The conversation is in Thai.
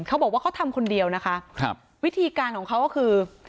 เขาบอกว่าเขาทำคนเดียวนะคะครับวิธีการของเขาก็คือ